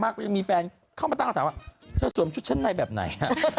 ฝากค้นหามากมีแฟนเขามาตั้งทางถามว่าเธอสวมชุดชั่นในแบบไหน